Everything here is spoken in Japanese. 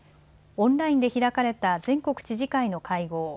オンラインで開かれた全国知事会の会合。